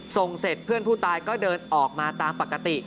ส่งเสร็จเพื่อนผู้ตายก็เดินออกมาตามปกติ